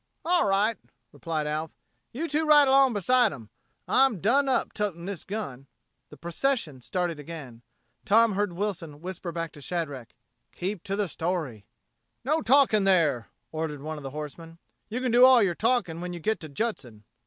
"All right," replied Alf. "You two ride along beside 'em. I'm done up totin' this gun." The procession started again. Tom heard Wilson whisper to Shadrack: "Keep to the story!" "No talking, there!" ordered one of the horsemen. "You can do all your talking when you get to Judson."